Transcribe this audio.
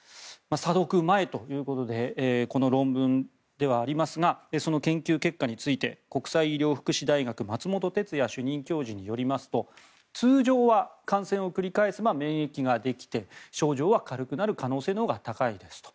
査読前ということでこの論文ではありますがその研究結果について国際医療福祉大学の松本哲哉主任教授によりますと通常は感染を繰り返すと免疫ができて症状が軽くなる可能性が高いですと。